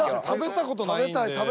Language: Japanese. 食べたことないんで。